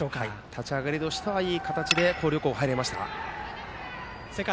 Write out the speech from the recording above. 立ち上がりとしてはいい形で広陵高校、入れました。